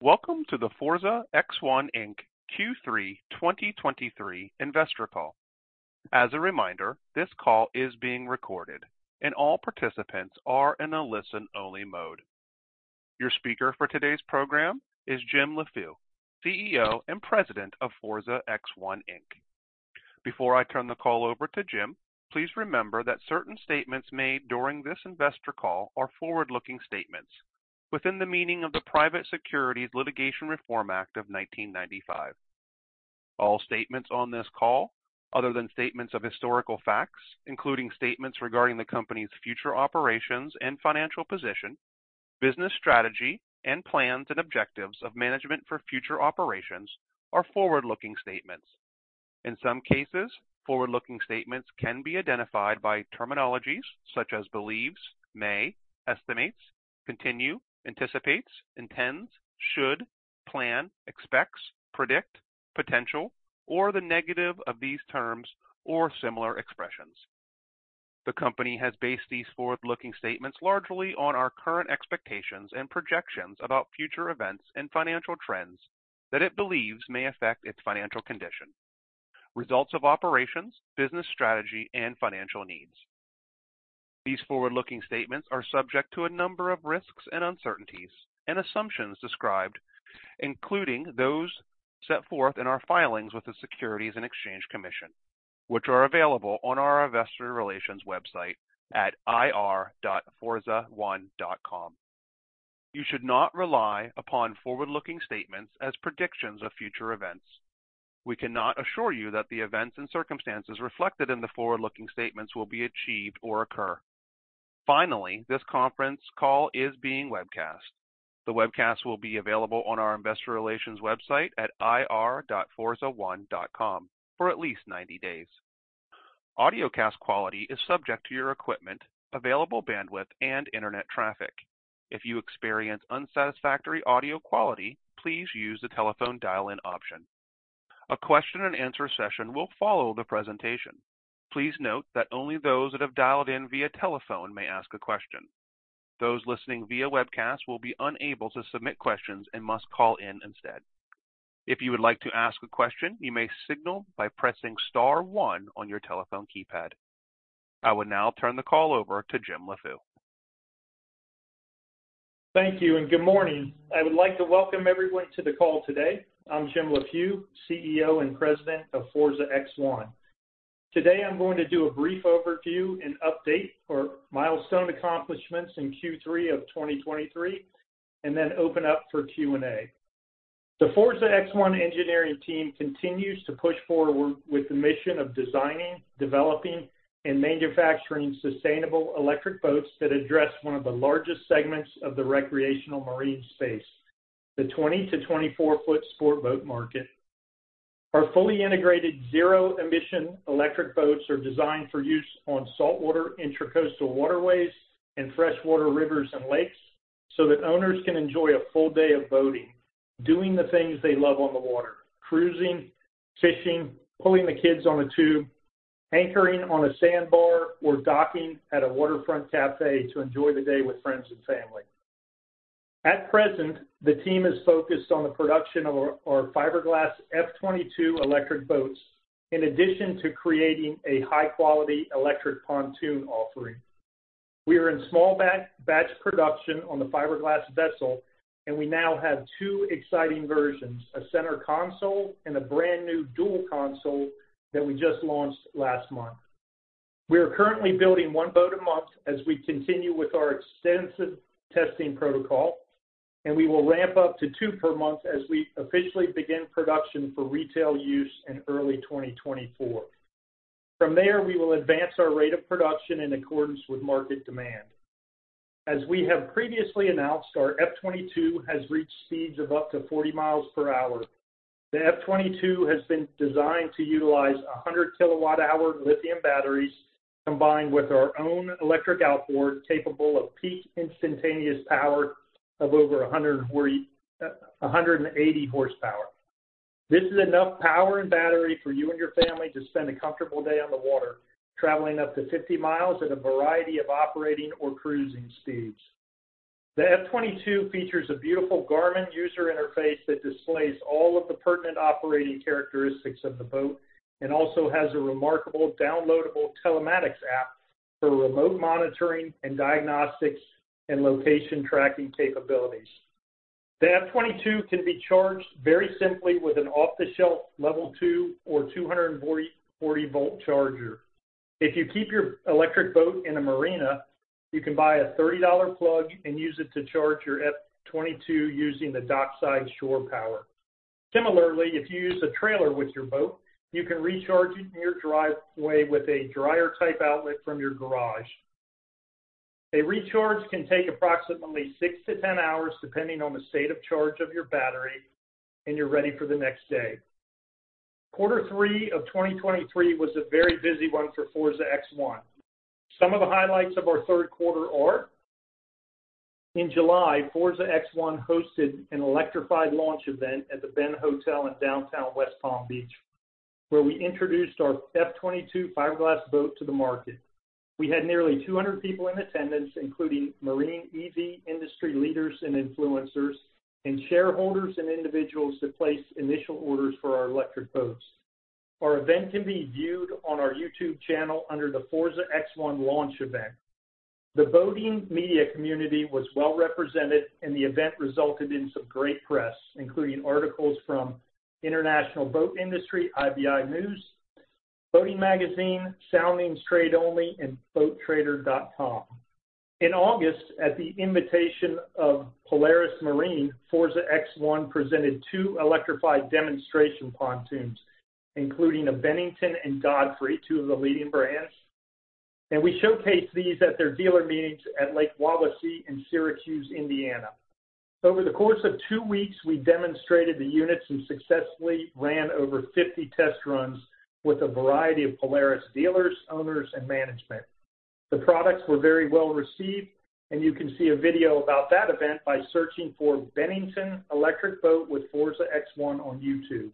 Welcome to the Forza X1 Inc. Q3 2023 investor call. As a reminder, this call is being recorded and all participants are in a listen-only mode. Your speaker for today's program is Jim Leffew, CEO and President of Forza X1 Inc. Before I turn the call over to Jim, please remember that certain statements made during this investor call are forward-looking statements within the meaning of the Private Securities Litigation Reform Act of 1995. All statements on this call, other than statements of historical facts, including statements regarding the company's future operations and financial position, business strategy, and plans and objectives of management for future operations, are forward-looking statements. In some cases, forward-looking statements can be identified by terminologies such as believes, may, estimates, continue, anticipates, intends, should, plan, expects, predict, potential, or the negative of these terms or similar expressions. The company has based these forward-looking statements largely on our current expectations and projections about future events and financial trends that it believes may affect its financial condition, results of operations, business strategy, and financial needs. These forward-looking statements are subject to a number of risks and uncertainties and assumptions described, including those set forth in our filings with the Securities and Exchange Commission, which are available on our investor relations website at ir.forzaone.com. You should not rely upon forward-looking statements as predictions of future events. We cannot assure you that the events and circumstances reflected in the forward-looking statements will be achieved or occur. Finally, this conference call is being webcast. The webcast will be available on our investor relations website at ir.forzaone.com for at least 90 days. Audio cast quality is subject to your equipment, available bandwidth, and internet traffic. If you experience unsatisfactory audio quality, please use the telephone dial-in option. A question and answer session will follow the presentation. Please note that only those that have dialed in via telephone may ask a question. Those listening via webcast will be unable to submit questions and must call in instead. If you would like to ask a question, you may signal by pressing star one on your telephone keypad. I will now turn the call over to Jim Leffew. Thank you and good morning. I would like to welcome everyone to the call today. I'm Jim Leffew, CEO and President of Forza X1. Today, I'm going to do a brief overview and update for milestone accomplishments in Q3 of 2023, and then open up for Q&A. The Forza X1 engineering team continues to push forward with the mission of designing, developing, and manufacturing sustainable electric boats that address one of the largest segments of the recreational marine space, the 20 ft-24 ft sport boat market. Our fully integrated zero-emission electric boats are designed for use on saltwater, intracoastal waterways, and freshwater rivers and lakes, so that owners can enjoy a full day of boating, doing the things they love on the water: cruising, fishing, pulling the kids on a tube, anchoring on a sandbar, or docking at a waterfront cafe to enjoy the day with friends and family. At present, the team is focused on the production of our, our fiberglass F-22 electric boats, in addition to creating a high-quality electric pontoon offering. We are in small batch production on the fiberglass vessel, and we now have two exciting versions: a center console and a brand-new dual console that we just launched last month. We are currently building 1 boat a month as we continue with our extensive testing protocol, and we will ramp up to two per month as we officially begin production for retail use in early 2024. From there, we will advance our rate of production in accordance with market demand. As we have previously announced, our F-22 has reached speeds of up to 40 mph. The F-22 has been designed to utilize 100 kWh lithium batteries, combined with our own electric outboard, capable of peak instantaneous power of over 140, 180 horsepower. This is enough power and battery for you and your family to spend a comfortable day on the water, traveling up to 50 mi at a variety of operating or cruising speeds. The F-22 features a beautiful Garmin user interface that displays all of the pertinent operating characteristics of the boat and also has a remarkable downloadable telematics app for remote monitoring and diagnostics and location tracking capabilities. The F-22 can be charged very simply with an off-the-shelf Level 2 or 240-volt charger. If you keep your electric boat in a marina, you can buy a $30 plug and use it to charge your F-22 using the dockside shore power. Similarly, if you use a trailer with your boat, you can recharge it in your driveway with a dryer-type outlet from your garage. A recharge can take approximately six to 10 hours, depending on the state of charge of your battery, and you're ready for the next day. Q3 of 2023 was a very busy one for Forza X1. Some of the highlights of our third quarter are: In July, Forza X1 hosted an electrified launch event at The Ben in downtown West Palm Beach, where we introduced our F-22 fiberglass boat to the market. We had nearly 200 people in attendance, including marine EV industry leaders and influencers, and shareholders and individuals to place initial orders for our electric boats. Our event can be viewed on our YouTube channel under the Forza X1 launch event. The boating media community was well represented, and the event resulted in some great press, including articles from International Boat Industry, IBI News, Boating Magazine, Soundings Trade Only, and BoatTrader.com. In August, at the invitation of Polaris Marine, Forza X1 presented two electrified demonstration pontoons, including a Bennington and Godfrey, two of the leading brands. We showcased these at their dealer meetings at Lake Wawasee in Syracuse, Indiana. Over the course of two weeks, we demonstrated the units and successfully ran over 50 test runs with a variety of Polaris dealers, owners, and management. The products were very well received, and you can see a video about that event by searching for Bennington Electric Boat with Forza X1 on YouTube.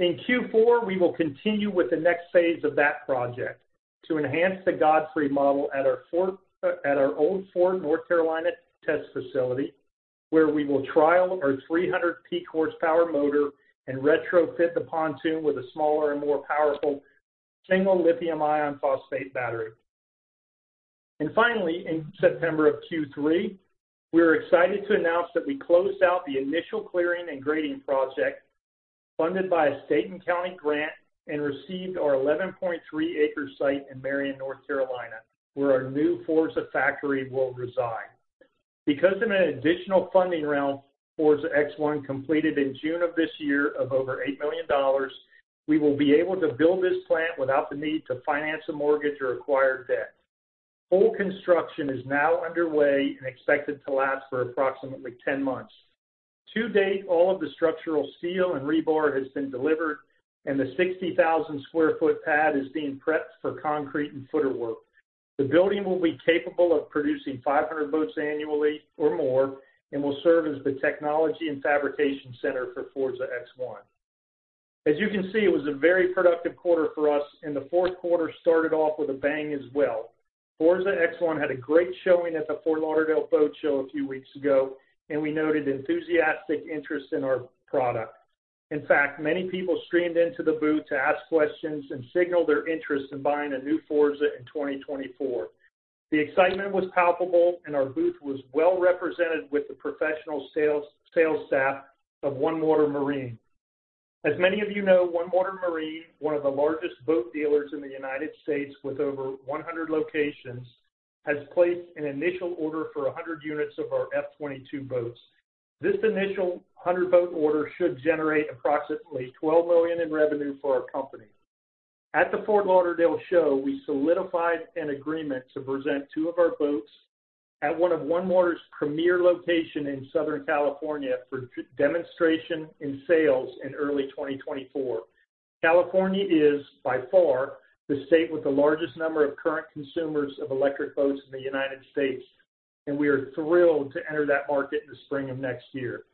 In Q4, we will continue with the next phase of that project to enhance the Godfrey model at our own Old Fort, North Carolina test facility, where we will trial our 300 peak horsepower motor and retrofit the pontoon with a smaller and more powerful single lithium iron phosphate battery. Finally, in September of Q3, we are excited to announce that we closed out the initial clearing and grading project funded by a state and county grant and received our 11.3-acre site in Marion, North Carolina, where our new Forza factory will reside. Because of an additional funding round, Forza X1 completed in June of this year of over $8 million, we will be able to build this plant without the need to finance a mortgage or acquire debt. Full construction is now underway and expected to last for approximately 10 months. To date, all of the structural steel and rebar has been delivered, and the 60,000 sq ft pad is being prepped for concrete and footer work. The building will be capable of producing 500 boats annually or more and will serve as the technology and fabrication center for Forza X1. As you can see, it was a very productive quarter for us, and the fourth quarter started off with a bang as well. Forza X1 had a great showing at the Fort Lauderdale Boat Show a few weeks ago, and we noted enthusiastic interest in our product. In fact, many people streamed into the booth to ask questions and signaled their interest in buying a new Forza in 2024. The excitement was palpable, and our booth was well represented with the professional sales staff of OneWater Marine. As many of you know, OneWater Marine, one of the largest boat dealers in the United States with over 100 locations, has placed an initial order for 100 units of our F-22 boats. This initial 100-boat order should generate approximately $12 million in revenue for our company. At the Fort Lauderdale show, we solidified an agreement to present two of our boats at one of OneWater's premier location in Southern California for demonstration and sales in early 2024. California is by far the state with the largest number of current consumers of electric boats in the United States, and we are thrilled to enter that market in the spring of next year.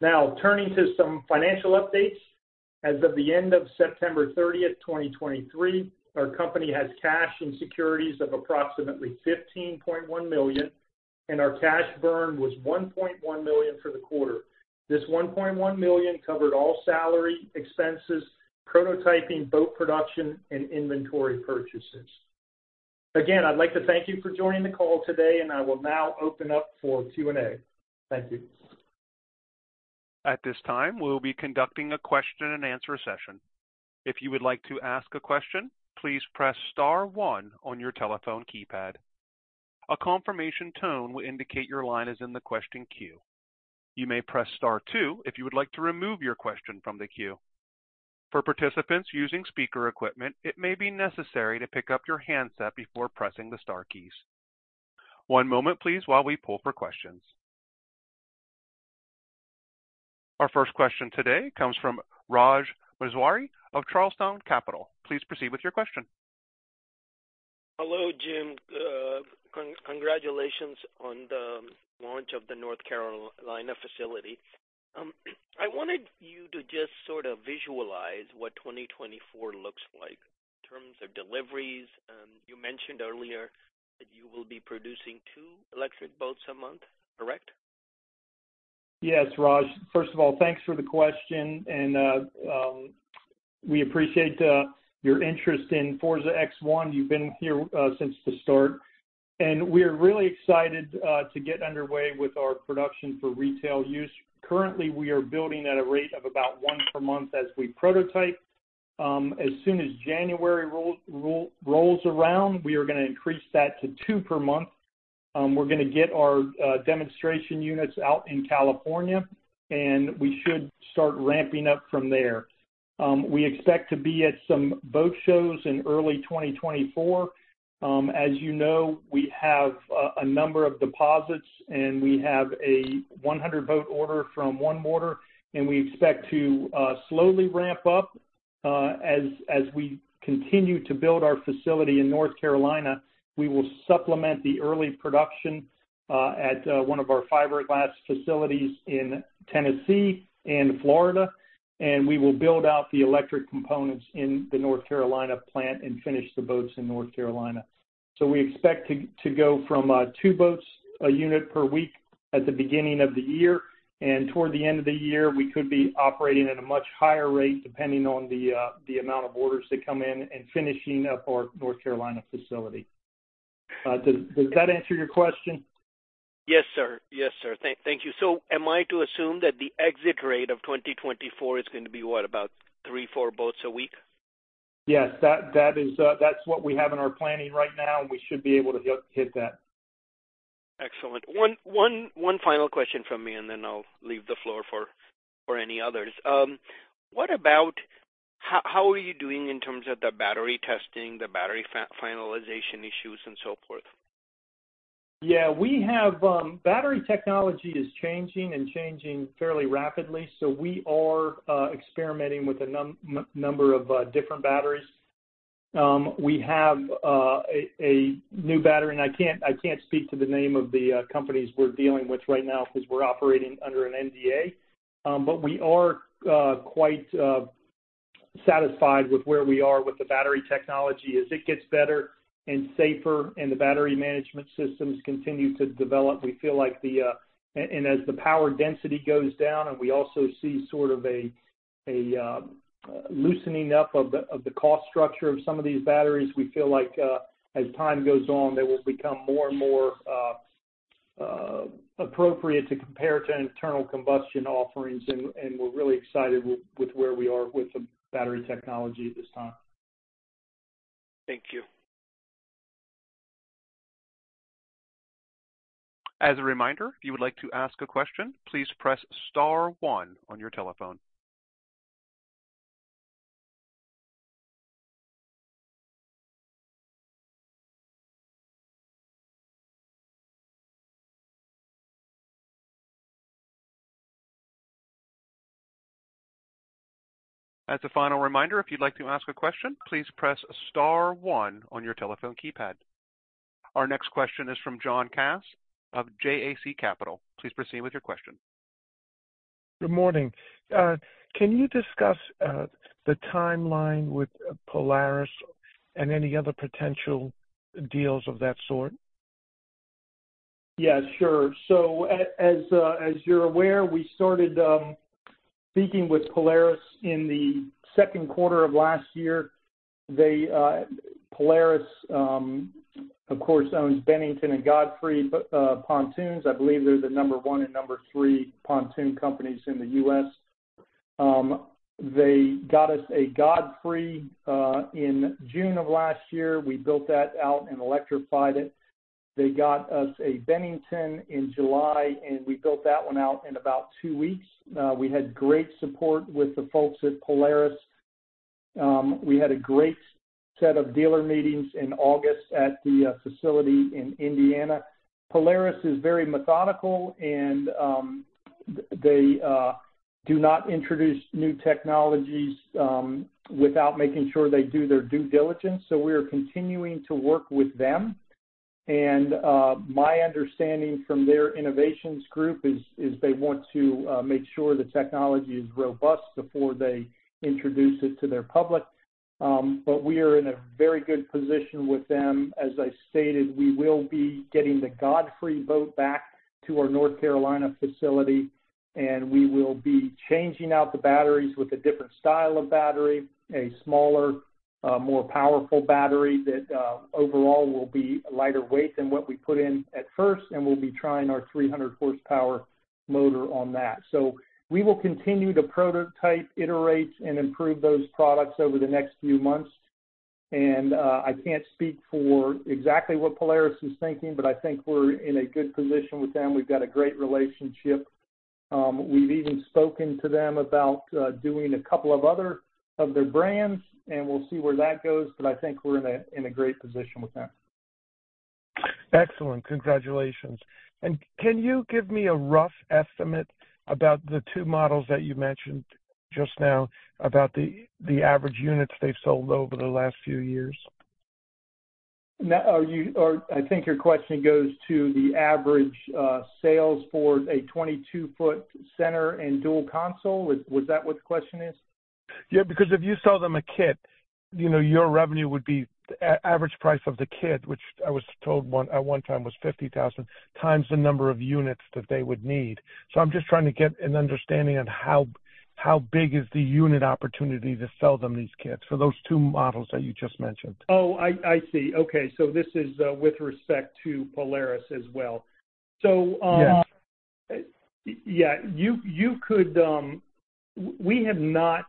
Now, turning to some financial updates. As of the end of September 30th, 2023, our company has cash and securities of approximately $15.1 million, and our cash burn was $1.1 million for the quarter. This $1.1 million covered all salary, expenses, prototyping, boat production, and inventory purchases. Again, I'd like to thank you for joining the call today, and I will now open up for Q&A. Thank you. At this time, we will be conducting a question and answer session. If you would like to ask a question, please press star one on your telephone keypad. A confirmation tone will indicate your line is in the question queue. You may press star two if you would like to remove your question from the queue. For participants using speaker equipment, it may be necessary to pick up your handset before pressing the star keys. One moment, please, while we pull for questions. Our first question today comes from Raj Maheshwari of Charlestown Capital. Please proceed with your question. Hello, Jim. Congratulations on the launch of the North Carolina facility. I wanted you to just sort of visualize what 2024 looks like in terms of deliveries. You mentioned earlier that you will be producing two electric boats a month, correct? Yes, Raj. First of all, thanks for the question, and we appreciate your interest in Forza X1. You've been here since the start, and we are really excited to get underway with our production for retail use. Currently, we are building at a rate of about one per month as we prototype. As soon as January rolls around, we are gonna increase that to two per month. We're gonna get our demonstration units out in California, and we should start ramping up from there. We expect to be at some boat shows in early 2024. As you know, we have a number of deposits, and we have a 100-boat order from OneWater, and we expect to slowly ramp up. As we continue to build our facility in North Carolina, we will supplement the early production at one of our fiberglass facilities in Tennessee and Florida, and we will build out the electric components in the North Carolina plant and finish the boats in North Carolina. So we expect to go from two boats a unit per week at the beginning of the year, and toward the end of the year, we could be operating at a much higher rate, depending on the amount of orders that come in and finishing up our North Carolina facility. Does that answer your question? Yes, sir. Yes, sir. Thank you. So am I to assume that the exit rate of 2024 is going to be, what, about three, four boats a week? Yes. That is, that's what we have in our planning right now, and we should be able to hit that. Excellent. One final question from me, and then I'll leave the floor for any others. What about how are you doing in terms of the battery testing, the battery finalization issues, and so forth? Yeah, we have battery technology is changing and changing fairly rapidly, so we are experimenting with a number of different batteries. We have a new battery, and I can't speak to the name of the companies we're dealing with right now because we're operating under an NDA. But we are quite satisfied with where we are with the battery technology. As it gets better and safer and the battery management systems continue to develop, we feel like the... As the power density goes down, and we also see a loosening up of the cost structure of some of these batteries, we feel like as time goes on, they will become more and more appropriate to compare to internal combustion offerings, and we're really excited with where we are with the battery technology at this time. Thank you. As a reminder, if you would like to ask a question, please press star one on your telephone. As a final reminder, if you'd like to ask a question, please press star one on your telephone keypad. Our next question is from John Kass of JAC Capital. Please proceed with your question. Good morning. Can you discuss the timeline with Polaris and any other potential deals of that sort? Yeah, sure. So as you're aware, we started speaking with Polaris in the second quarter of last year. They, Polaris, of course, owns Bennington and Godfrey pontoons. I believe they're the number one and number three pontoon companies in the U.S. They got us a Godfrey in June of last year. We built that out and electrified it. They got us a Bennington in July, and we built that one out in about two weeks. We had great support with the folks at Polaris. We had a great set of dealer meetings in August at the facility in Indiana. Polaris is very methodical, and they do not introduce new technologies without making sure they do their due diligence, so we are continuing to work with them. My understanding from their innovations group is they want to make sure the technology is robust before they introduce it to their public. But we are in a very good position with them. As I stated, we will be getting the Godfrey boat back to our North Carolina facility, and we will be changing out the batteries with a different style of battery, a smaller, more powerful battery that overall will be lighter weight than what we put in at first, and we'll be trying our 300-horsepower motor on that. So we will continue to prototype, iterate, and improve those products over the next few months. I can't speak for exactly what Polaris is thinking, but I think we're in a good position with them. We've got a great relationship. We've even spoken to them about doing a couple of other of their brands, and we'll see where that goes, but I think we're in a great position with them. Excellent. Congratulations. Can you give me a rough estimate about the two models that you mentioned just now, about the average units they've sold over the last few years? Now, are you, or I think your question goes to the average, sales for a 22-ft center and dual console. Was that what the question is? Yeah, because if you sell them a kit, you know, your revenue would be average price of the kit, which I was told at one time was $50,000, times the number of units that they would need. So I'm just trying to get an understanding on how big is the unit opportunity to sell them these kits for those two models that you just mentioned? Oh, I see. Okay, so this is with respect to Polaris as well. Yes. So, yeah, you could. We have not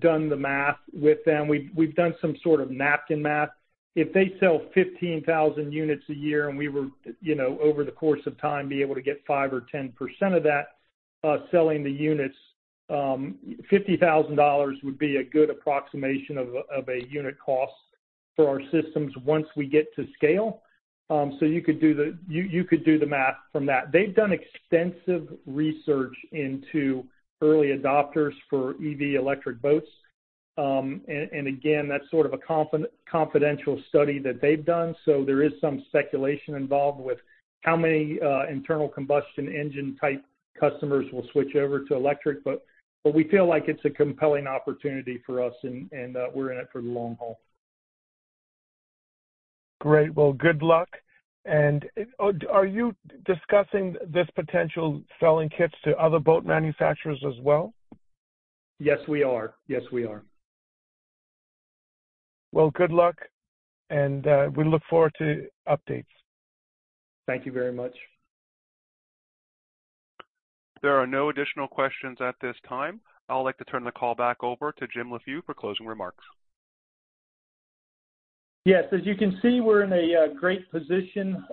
done the math with them. We've done some sort of napkin math. If they sell 15,000 units a year and we were, you know, over the course of time, be able to get 5% or 10% of that, selling the units, $50,000 would be a good approximation of a unit cost for our systems once we get to scale. So you could do the math from that. They've done extensive research into early adopters for EV electric boats. And again, that's sort of a confidential study that they've done, so there is some speculation involved with how many internal combustion engine-type customers will switch over to electric. But we feel like it's a compelling opportunity for us, and we're in it for the long haul. Great. Well, good luck. Are you discussing this potential selling kits to other boat manufacturers as well? Yes, we are. Yes, we are. Well, good luck, and we look forward to updates. Thank you very much. There are no additional questions at this time. I'd like to turn the call back over to Jim Leffew for closing remarks. Yes, as you can see, we're in a great position.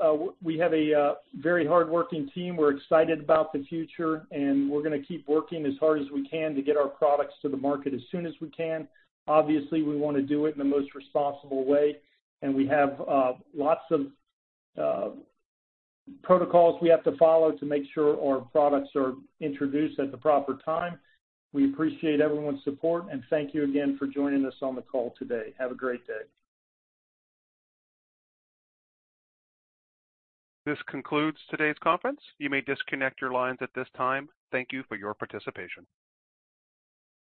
We have a very hardworking team. We're excited about the future, and we're gonna keep working as hard as we can to get our products to the market as soon as we can. Obviously, we want to do it in the most responsible way, and we have lots of protocols we have to follow to make sure our products are introduced at the proper time. We appreciate everyone's support, and thank you again for joining us on the call today. Have a great day. This concludes today's conference. You may disconnect your lines at this time. Thank you for your participation.